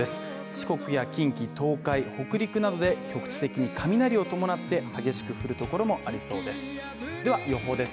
四国や近畿、東海、北陸などで局地的に雷を伴って激しく降る所もありそうです。